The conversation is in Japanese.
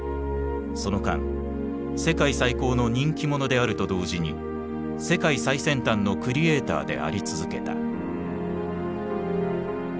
その間世界最高の人気者であると同時に世界最先端のクリエーターであり続けた。